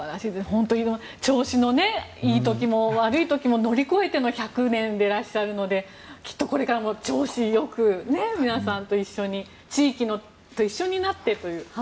本当に調子のいい時も悪い時も乗り越えての１００年でいらっしゃるのできっと、これからも調子良く皆さんと一緒に地域と一緒になってという。